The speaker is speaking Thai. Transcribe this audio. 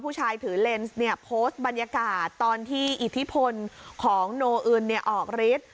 ผู้ชายถือเลนส์เนี่ยพูดแบบบรรยากาศตอนที่อิทธิพลของนโลอื่นเนี่ยออกรีด